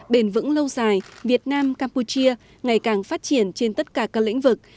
bền vững lâu dài việt nam campuchia ngày càng phát triển trên tất cả các lĩnh vực